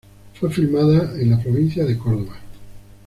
Fue filmada en la provincia de Córdoba.